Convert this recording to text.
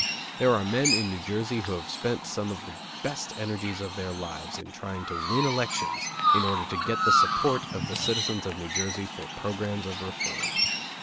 There are men in New Jersey who have spent some of the best energies of their lives in trying to win elections in order to get the support of the citizens of New Jersey for programs of reform.